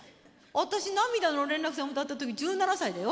私「涙の連絡船」歌った時１７歳だよ。